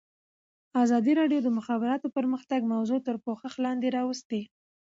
ازادي راډیو د د مخابراتو پرمختګ موضوع تر پوښښ لاندې راوستې.